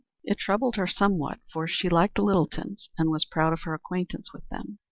It troubled her somewhat, for she liked the Littletons and was proud of her acquaintance with them.